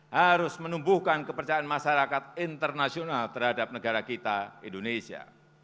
harus menumbuhkan kepercayaan masyarakat internasional terhadap negara kita indonesia